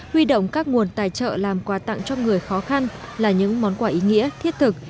huy động các nguồn tài trợ làm quà tặng cho người khó khăn là những món quà ý nghĩa thiết thực